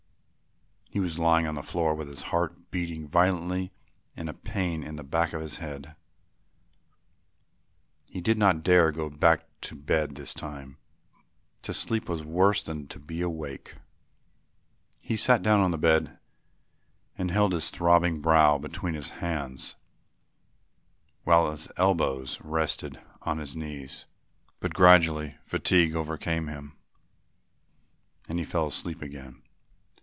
He was lying on the floor with his heart beating violently and a pain in the back of his head. He did not dare to go back to bed this time; to sleep was worse than to be awake. He sat down on the bed and held his throbbing brow between his hands while his elbows rested on his knees; but gradually fatigue overcame him and he fell asleep again.